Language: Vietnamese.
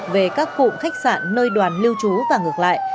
về các cụm khách sạn nơi đoàn lưu trú và ngược lại